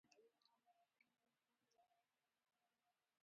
د مشرانو خبرې ومنو.